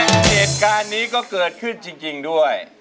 เหตุการณ์นี้ก็เกิดขึ้นจริงด้วย